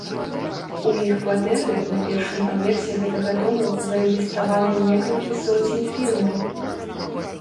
У іх кватэры на першым паверсе гэтага дому зарэгістравана некалькі соцень фірмаў!